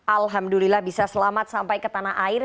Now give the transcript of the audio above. alhamdulillah bisa selamat sampai ke tanah air